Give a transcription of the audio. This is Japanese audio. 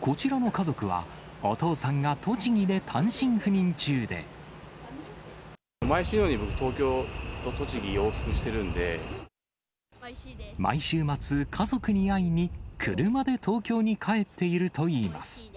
こちらの家族は、毎週のように、僕、東京と栃毎週末、家族に会いに車で東京に帰っているといいます。